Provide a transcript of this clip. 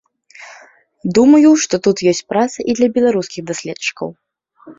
Думаю, што тут ёсць праца і для беларускіх даследчыкаў.